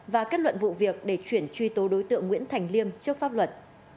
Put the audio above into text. và kết luận vụ việc để chuyển truy tố đối tượng nguyễn thành liêm trước pháp luật